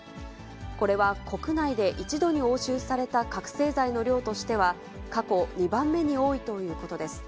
これは国内で一度に押収された覚醒剤の量としては、過去２番目に多いということです。